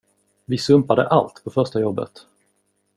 Vi sumpade allt på första jobbet.